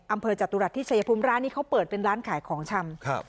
จตุรัสที่ชายภูมิร้านนี้เขาเปิดเป็นร้านขายของชำครับ